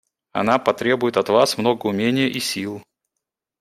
Она потребует от Вас много умения и сил.